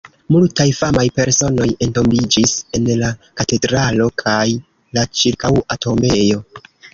Multaj famaj personoj entombiĝis en la katedralo kaj la ĉirkaŭa tombejo.